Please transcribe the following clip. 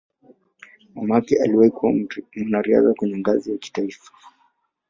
Mamake aliwahi kuwa mwanariadha kwenye ngazi ya kitaifa.